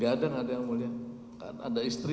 gak ada gak ada yang ngomong ada istri